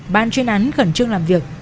ban chuyên án khẩn trương làm việc